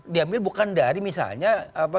diambil bukan dari misalnya